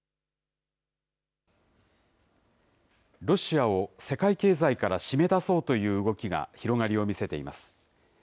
ロシアを世界経済から締め出そうという動きが広がりを見せています。